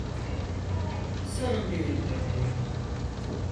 Sorun değil, bebeğim.